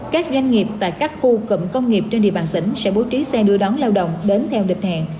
các doanh nghiệp tại các khu cụm công nghiệp trên địa bàn tỉnh sẽ bố trí xe đưa đón lao động đến theo định hẹn